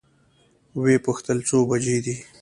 وې پوښتل څو بجې دي؟